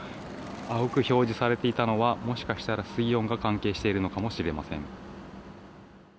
青く表示されていたものはもしかしたら水温が関係しているのかもしれません。